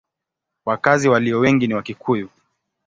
Wakazi walio wengi ni Wakikuyu.